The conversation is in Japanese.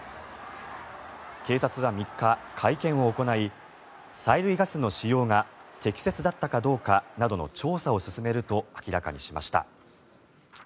警察は３日、会見を行い催涙ガスの使用が適切だったかどうかなどの調査を進めると明らかにしました。